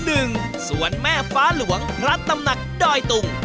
ส่วนแม่ฟ้าหลวงพระตำหนักดอยตุง